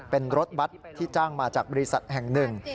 เป็นรถบัตรที่จ้างมาจากบริษัทแห่งหนึ่ง